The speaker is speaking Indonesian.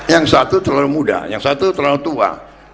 yang satu terlalu muda yang satu terlalu tua